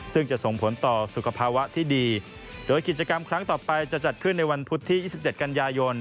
ซึ่งจะส่งผลต่อสุขภาวะที่ดีโดยกิจกรรมครั้งต่อไปจะจัดขึ้นในวันพุธที่๒๗กันยายน